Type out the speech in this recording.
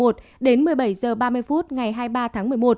đến một mươi bảy h ba mươi phút ngày hai mươi ba tháng một mươi một